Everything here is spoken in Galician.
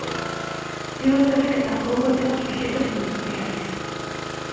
Di vostede que tampouco temos proxectos industriais.